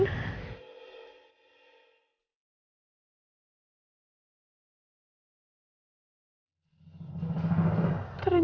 gue mau ketemu sama pangeran